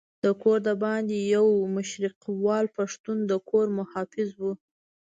د کور دباندې یو مشرقیوال پښتون د کور محافظ وو.